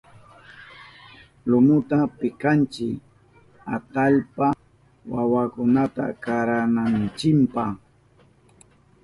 Lumuta pikanchi atallpa wawakunata karananchipa.